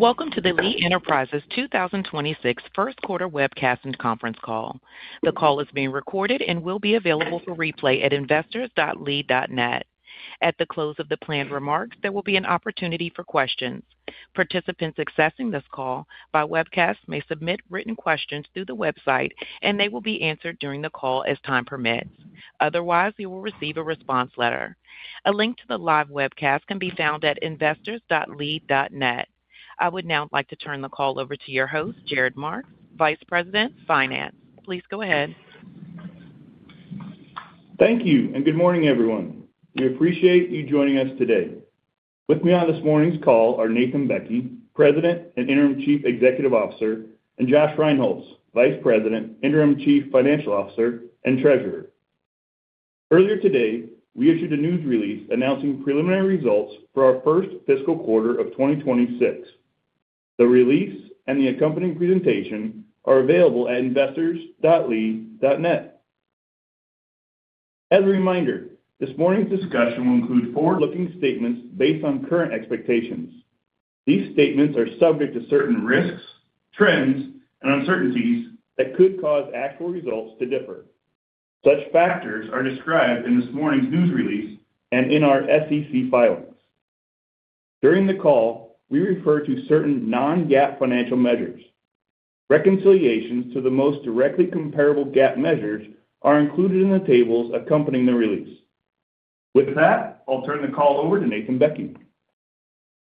Welcome to the Lee Enterprises 2026 first-quarter webcast and conference call. The call is being recorded and will be available for replay at investors.lee.net. At the close of the planned remarks, there will be an opportunity for questions. Participants accessing this call by webcast may submit written questions through the website, and they will be answered during the call as time permits. Otherwise, you will receive a response letter. A link to the live webcast can be found at investors.lee.net. I would now like to turn the call over to your host, Jared Marks, Vice President Finance. Please go ahead. Thank you, and good morning, everyone. We appreciate you joining us today. With me on this morning's call are Nathan Bekke, President and Interim Chief Executive Officer, and Josh Rinehults, Vice President, Interim Chief Financial Officer, and Treasurer. Earlier today, we issued a news release announcing preliminary results for our first fiscal quarter of 2026. The release and the accompanying presentation are available at investors.lee.net. As a reminder, this morning's discussion will include forward-looking statements based on current expectations. These statements are subject to certain risks, trends, and uncertainties that could cause actual results to differ. Such factors are described in this morning's news release and in our SEC filings. During the call, we refer to certain non-GAAP financial measures. Reconciliations to the most directly comparable GAAP measures are included in the tables accompanying the release. With that, I'll turn the call over to Nathan Bekke.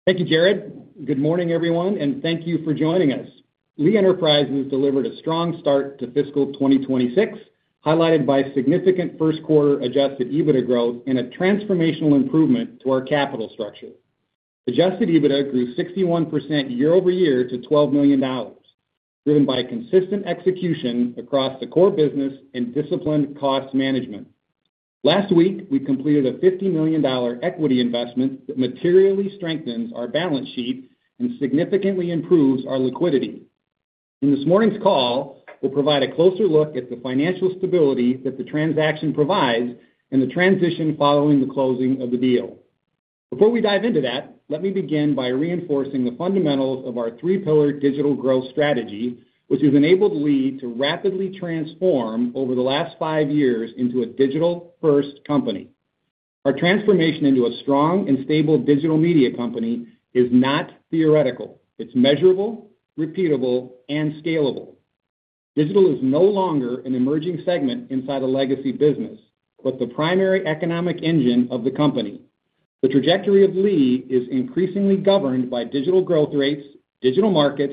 Thank you, Jared. Good morning, everyone, and thank you for joining us. Lee Enterprises delivered a strong start to fiscal 2026, highlighted by significant first-quarter adjusted EBITDA growth and a transformational improvement to our capital structure. Adjusted EBITDA grew 61% year-over-year to $12 million, driven by consistent execution across the core business and disciplined cost management. Last week, we completed a $50 million equity investment that materially strengthens our balance sheet and significantly improves our liquidity. In this morning's call, we'll provide a closer look at the financial stability that the transaction provides and the transition following the closing of the deal. Before we dive into that, let me begin by reinforcing the fundamentals of our three-pillar digital growth strategy, which has enabled Lee to rapidly transform over the last five years into a digital-first company. Our transformation into a strong and stable digital media company is not theoretical. It's measurable, repeatable, and scalable. Digital is no longer an emerging segment inside a legacy business, but the primary economic engine of the company. The trajectory of Lee is increasingly governed by digital growth rates, digital markets,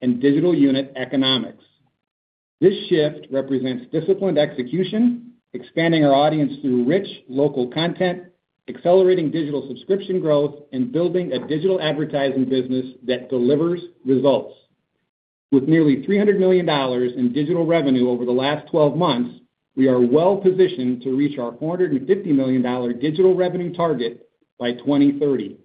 and digital unit economics. This shift represents disciplined execution, expanding our audience through rich local content, accelerating digital subscription growth, and building a digital advertising business that delivers results. With nearly $300 million in digital revenue over the last 12 months, we are well positioned to reach our $450 million digital revenue target by 2030.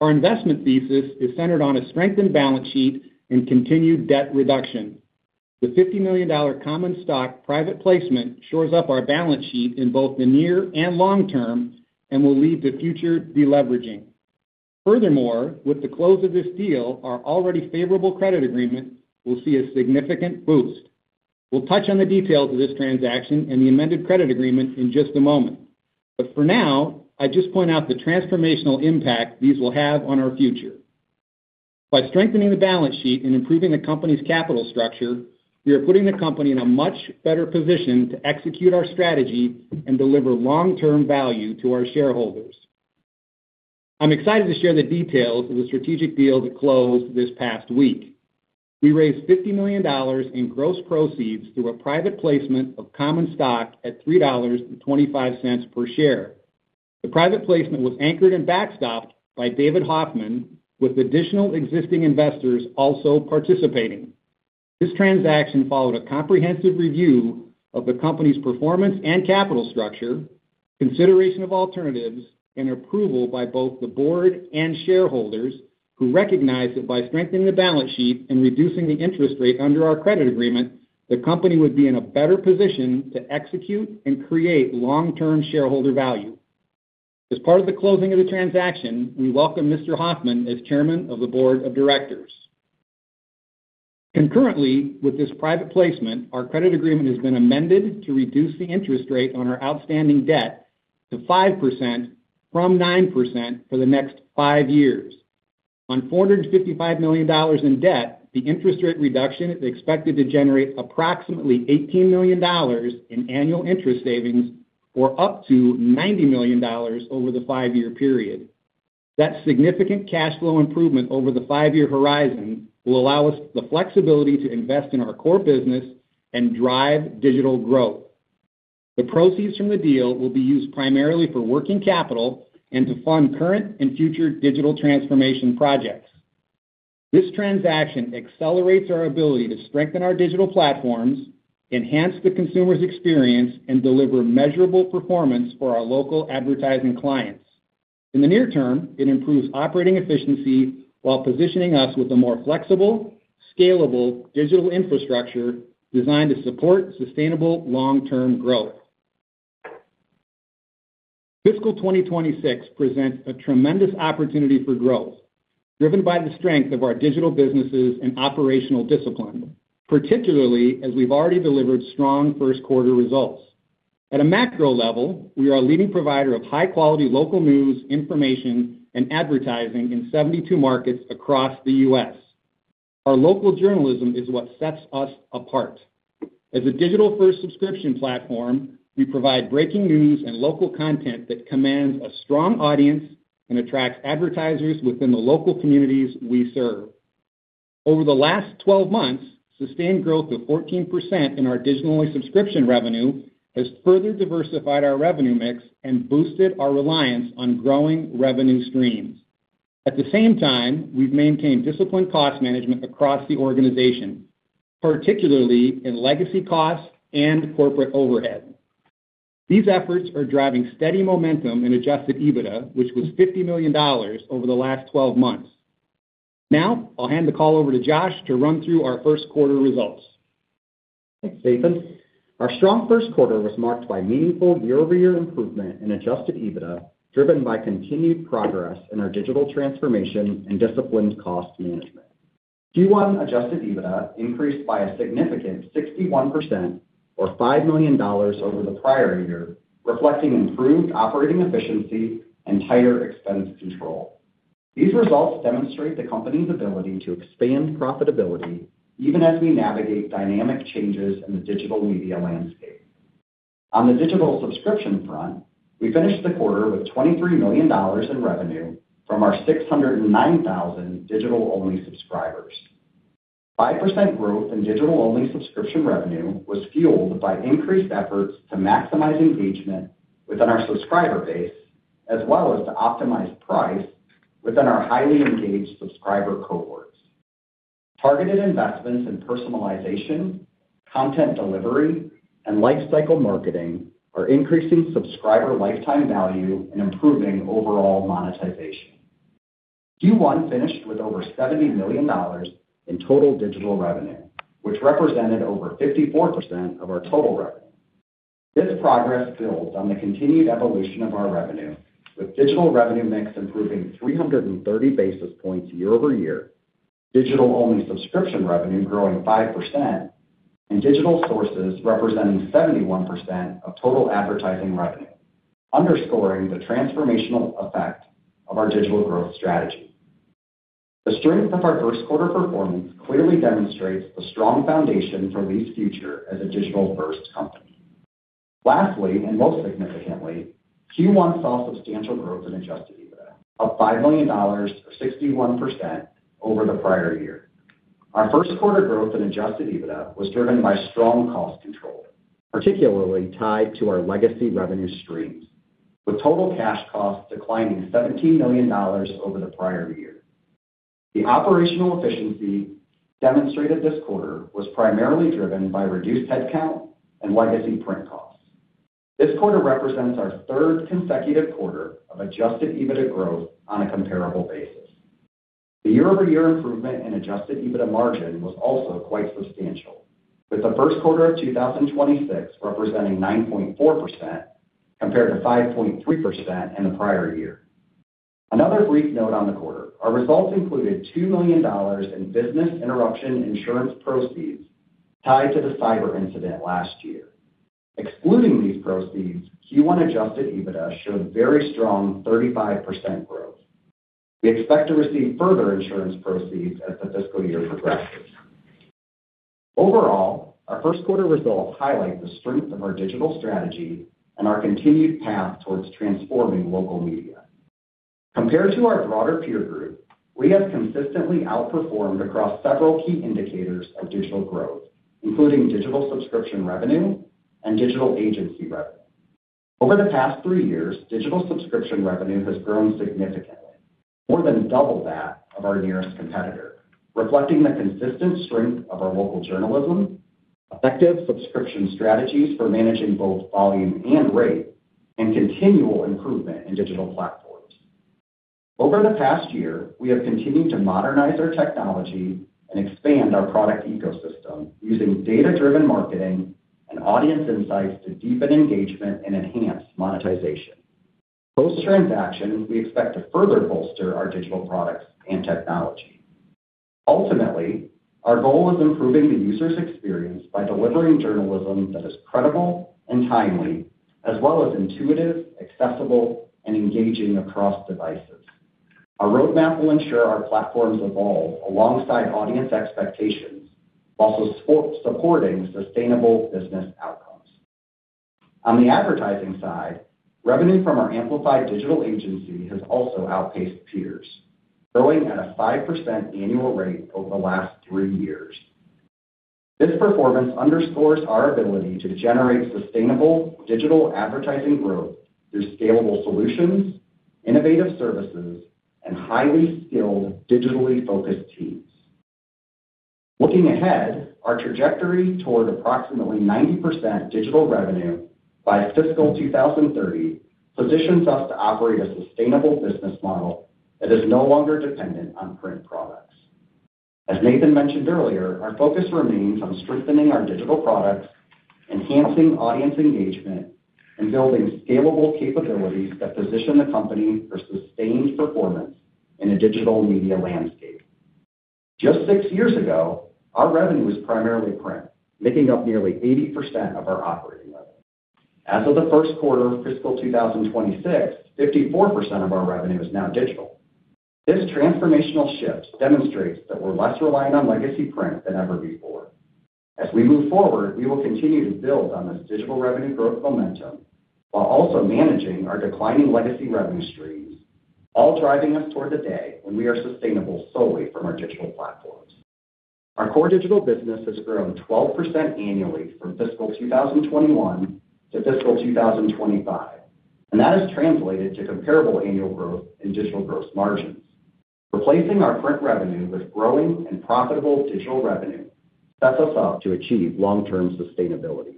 Our investment thesis is centered on a strengthened balance sheet and continued debt reduction. The $50 million common stock private placement shores up our balance sheet in both the near and long term and will lead to future deleveraging. Furthermore, with the close of this deal, our already favorable credit agreement will see a significant boost. We'll touch on the details of this transaction and the amended credit agreement in just a moment, but for now, I'd just point out the transformational impact these will have on our future. By strengthening the balance sheet and improving the company's capital structure, we are putting the company in a much better position to execute our strategy and deliver long-term value to our shareholders. I'm excited to share the details of the strategic deal that closed this past week. We raised $50 million in gross proceeds through a private placement of common stock at $3.25 per share. The private placement was anchored and backstopped by David Hoffmann, with additional existing investors also participating. This transaction followed a comprehensive review of the company's performance and capital structure, consideration of alternatives, and approval by both the board and shareholders, who recognized that by strengthening the balance sheet and reducing the interest rate under our credit agreement, the company would be in a better position to execute and create long-term shareholder value. As part of the closing of the transaction, we welcome Mr. Hoffmann as Chairman of the Board of Directors. Concurrently with this private placement, our credit agreement has been amended to reduce the interest rate on our outstanding debt to 5% from 9% for the next five years. On $455 million in debt, the interest rate reduction is expected to generate approximately $18 million in annual interest savings or up to $90 million over the five-year period. That significant cash flow improvement over the five-year horizon will allow us the flexibility to invest in our core business and drive digital growth. The proceeds from the deal will be used primarily for working capital and to fund current and future digital transformation projects. This transaction accelerates our ability to strengthen our digital platforms, enhance the consumer's experience, and deliver measurable performance for our local advertising clients. In the near term, it improves operating efficiency while positioning us with a more flexible, scalable digital infrastructure designed to support sustainable long-term growth. Fiscal 2026 presents a tremendous opportunity for growth, driven by the strength of our digital businesses and operational discipline, particularly as we've already delivered strong first-quarter results. At a macro level, we are a leading provider of high-quality local news, information, and advertising in 72 markets across the U.S. Our local journalism is what sets us apart. As a digital-first subscription platform, we provide breaking news and local content that commands a strong audience and attracts advertisers within the local communities we serve. Over the last 12 months, sustained growth of 14% in our digital subscription revenue has further diversified our revenue mix and boosted our reliance on growing revenue streams. At the same time, we've maintained disciplined cost management across the organization, particularly in legacy costs and corporate overhead. These efforts are driving steady momentum in Adjusted EBITDA, which was $50 million over the last 12 months. Now, I'll hand the call over to Josh to run through our first-quarter results. Thanks, Nathan. Our strong first quarter was marked by meaningful year-over-year improvement in Adjusted EBITDA, driven by continued progress in our digital transformation and disciplined cost management. Q1 Adjusted EBITDA increased by a significant 61% or $5 million over the prior year, reflecting improved operating efficiency and tighter expense control. These results demonstrate the company's ability to expand profitability even as we navigate dynamic changes in the digital media landscape. On the digital subscription front, we finished the quarter with $23 million in revenue from our 609,000 digital-only subscribers. 5% growth in digital-only subscription revenue was fueled by increased efforts to maximize engagement within our subscriber base as well as to optimize price within our highly engaged subscriber cohorts. Targeted investments in personalization, content delivery, and lifecycle marketing are increasing subscriber lifetime value and improving overall monetization. Q1 finished with over $70 million in total digital revenue, which represented over 54% of our total revenue. This progress builds on the continued evolution of our revenue, with digital revenue mix improving 330 basis points year-over-year, digital-only subscription revenue growing 5%, and digital sources representing 71% of total advertising revenue, underscoring the transformational effect of our digital growth strategy. The strength of our first-quarter performance clearly demonstrates the strong foundation for Lee's future as a digital-first company. Lastly, and most significantly, Q1 saw substantial growth in Adjusted EBITDA, up $5 million or 61% over the prior year. Our first-quarter growth in Adjusted EBITDA was driven by strong cost control, particularly tied to our legacy revenue streams, with total cash costs declining $17 million over the prior year. The operational efficiency demonstrated this quarter was primarily driven by reduced headcount and legacy print costs. This quarter represents our third consecutive quarter of Adjusted EBITDA growth on a comparable basis. The year-over-year improvement in Adjusted EBITDA margin was also quite substantial, with the first quarter of 2026 representing 9.4% compared to 5.3% in the prior year. Another brief note on the quarter: our results included $2 million in business interruption insurance proceeds tied to the cyber incident last year. Excluding these proceeds, Q1 Adjusted EBITDA showed very strong 35% growth. We expect to receive further insurance proceeds as the fiscal year progresses. Overall, our first-quarter results highlight the strength of our digital strategy and our continued path towards transforming local media. Compared to our broader peer group, Lee has consistently outperformed across several key indicators of digital growth, including digital subscription revenue and digital agency revenue. Over the past three years, digital subscription revenue has grown significantly, more than double that of our nearest competitor, reflecting the consistent strength of our local journalism, effective subscription strategies for managing both volume and rate, and continual improvement in digital platforms. Over the past year, we have continued to modernize our technology and expand our product ecosystem using data-driven marketing and audience insights to deepen engagement and enhance monetization. Post-transaction, we expect to further bolster our digital products and technology. Ultimately, our goal is improving the user's experience by delivering journalism that is credible and timely as well as intuitive, accessible, and engaging across devices. Our roadmap will ensure our platforms evolve alongside audience expectations, while also supporting sustainable business outcomes. On the advertising side, revenue from our Amplified Digital Agency has also outpaced peers, growing at a 5% annual rate over the last three years. This performance underscores our ability to generate sustainable digital advertising growth through scalable solutions, innovative services, and highly skilled, digitally focused teams. Looking ahead, our trajectory toward approximately 90% digital revenue by fiscal 2030 positions us to operate a sustainable business model that is no longer dependent on print products. As Nathan mentioned earlier, our focus remains on strengthening our digital products, enhancing audience engagement, and building scalable capabilities that position the company for sustained performance in a digital media landscape. Just six years ago, our revenue was primarily print, making up nearly 80% of our operating revenue. As of the first quarter of fiscal 2026, 54% of our revenue is now digital. This transformational shift demonstrates that we're less reliant on legacy print than ever before. As we move forward, we will continue to build on this digital revenue growth momentum while also managing our declining legacy revenue streams, all driving us toward the day when we are sustainable solely from our digital platforms. Our core digital business has grown 12% annually from fiscal 2021 to fiscal 2025, and that has translated to comparable annual growth in digital gross margins. Replacing our print revenue with growing and profitable digital revenue sets us up to achieve long-term sustainability.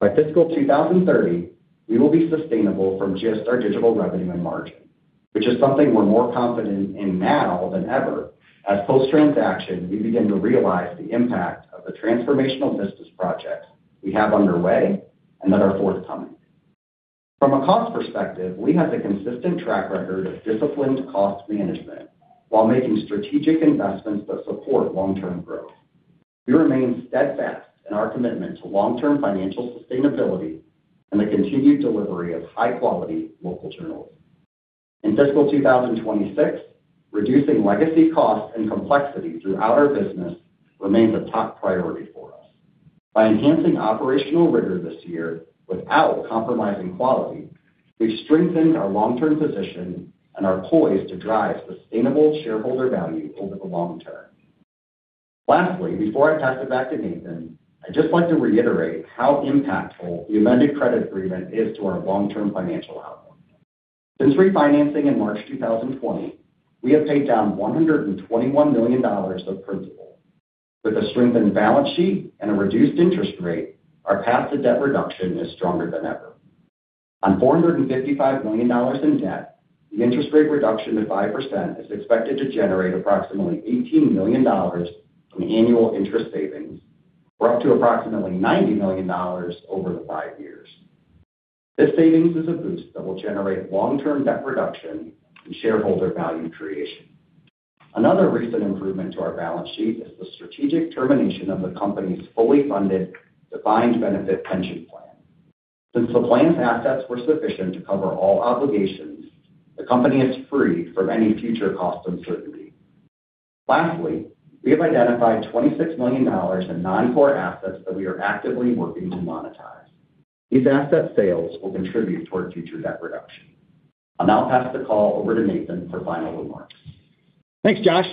By fiscal 2030, we will be sustainable from just our digital revenue and margin, which is something we're more confident in now than ever as post-transaction we begin to realize the impact of the transformational business projects we have underway and that are forthcoming. From a cost perspective, Lee has a consistent track record of disciplined cost management while making strategic investments that support long-term growth. We remain steadfast in our commitment to long-term financial sustainability and the continued delivery of high-quality local journals. In fiscal 2026, reducing legacy costs and complexity throughout our business remains a top priority for us. By enhancing operational rigor this year without compromising quality, we've strengthened our long-term position and are poised to drive sustainable shareholder value over the long term. Lastly, before I pass it back to Nathan, I'd just like to reiterate how impactful the amended credit agreement is to our long-term financial outcome. Since refinancing in March 2020, we have paid down $121 million of principal. With a strengthened balance sheet and a reduced interest rate, our passive debt reduction is stronger than ever. On $455 million in debt, the interest rate reduction to 5% is expected to generate approximately $18 million in annual interest savings or up to approximately $90 million over the five years. This savings is a boost that will generate long-term debt reduction and shareholder value creation. Another recent improvement to our balance sheet is the strategic termination of the company's fully funded defined benefit pension plan. Since the plan's assets were sufficient to cover all obligations, the company is free from any future cost uncertainty. Lastly, we have identified $26 million in non-core assets that we are actively working to monetize. These asset sales will contribute toward future debt reduction. I'll now pass the call over to Nathan for final remarks. Thanks, Josh.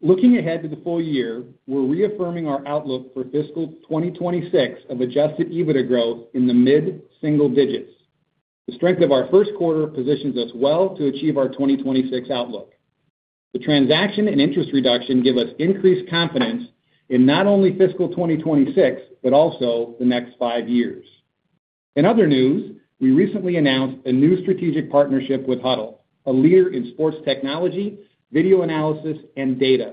Looking ahead to the full year, we're reaffirming our outlook for fiscal 2026 of Adjusted EBITDA growth in the mid-single digits. The strength of our first quarter positions us well to achieve our 2026 outlook. The transaction and interest reduction give us increased confidence in not only fiscal 2026 but also the next five years. In other news, we recently announced a new strategic partnership with Hudl, a leader in sports technology, video analysis, and data.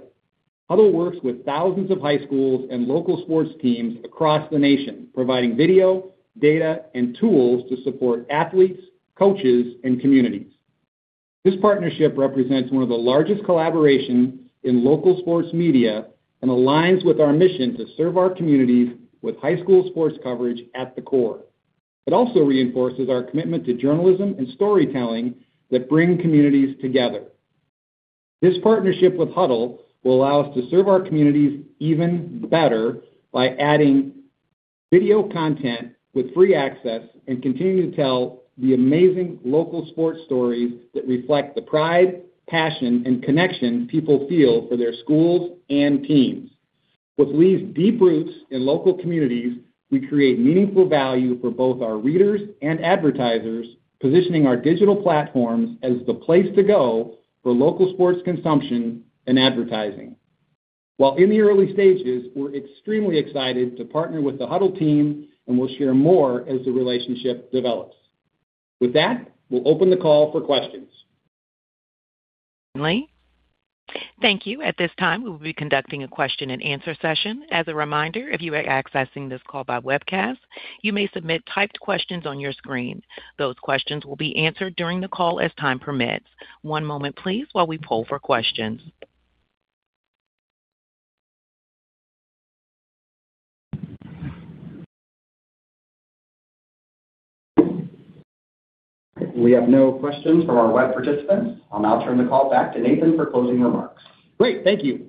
Hudl works with thousands of high schools and local sports teams across the nation, providing video, data, and tools to support athletes, coaches, and communities. This partnership represents one of the largest collaborations in local sports media and aligns with our mission to serve our communities with high school sports coverage at the core. It also reinforces our commitment to journalism and storytelling that bring communities together. This partnership with Hudl will allow us to serve our communities even better by adding video content with free access and continuing to tell the amazing local sports stories that reflect the pride, passion, and connection people feel for their schools and teams. With Lee's deep roots in local communities, we create meaningful value for both our readers and advertisers, positioning our digital platforms as the place to go for local sports consumption and advertising. While in the early stages, we're extremely excited to partner with the Hudl team, and we'll share more as the relationship develops. With that, we'll open the call for questions. Lee, thank you. At this time, we will be conducting a question-and-answer session. As a reminder, if you are accessing this call by webcast, you may submit typed questions on your screen. Those questions will be answered during the call as time permits. One moment, please, while we poll for questions. We have no questions from our web participants. I'll now turn the call back to Nathan for closing remarks. Great. Thank you.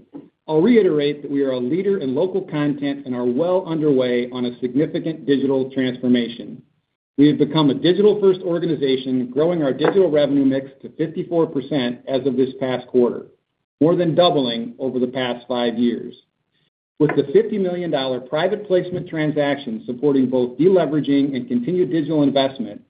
I'll reiterate that we are a leader in local content and are well underway on a significant digital transformation. We have become a digital-first organization, growing our digital revenue mix to 54% as of this past quarter, more than doubling over the past five years. With the $50 million private placement transaction supporting both deleveraging and continued digital investment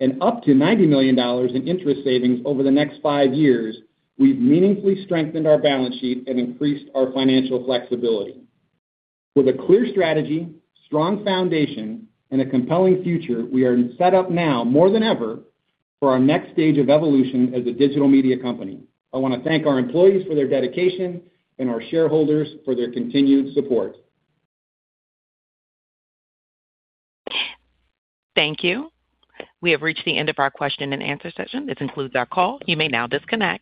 and up to $90 million in interest savings over the next five years, we've meaningfully strengthened our balance sheet and increased our financial flexibility. With a clear strategy, strong foundation, and a compelling future, we are set up now more than ever for our next stage of evolution as a digital media company. I want to thank our employees for their dedication and our shareholders for their continued support. Thank you. We have reached the end of our question-and-answer session. This includes our call. You may now disconnect.